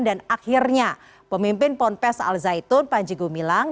dan akhirnya pemimpin ponpes al zaitun panji gumilang